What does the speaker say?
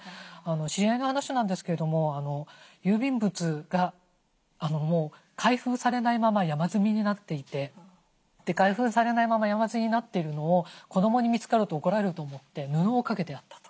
知り合いの話なんですけども郵便物が開封されないまま山積みになっていて開封されないまま山積みになっているのを子どもに見つかると怒られると思って布をかけてあったと。